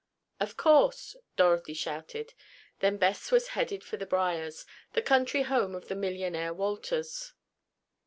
"Of course," Dorothy shouted. Then Bess was headed for The Briars, the country home of the millionaire Wolters.